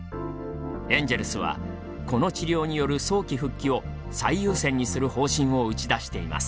エンジェルスはこの治療による早期復帰を最優先にする方針を打ち出しています。